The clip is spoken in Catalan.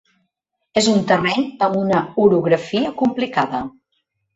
És un terreny amb una orografia complicada.